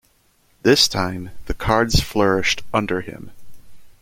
This time, the Cards flourished under him.